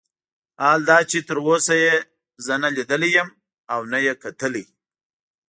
حال دا چې تر اوسه یې زه نه لیدلی یم او نه یې کتلی.